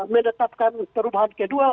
mendetapkan perubahan kedua